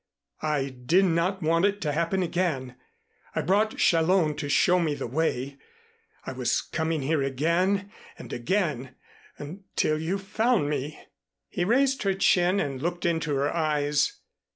I did not want it to happen again. I brought Challón to show me the way. I was coming here again and again until you found me." He raised her chin and looked into her eyes.